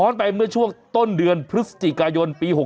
ย้อนไปเมื่อตอนเดือนพฤศจิกายนปี๖๔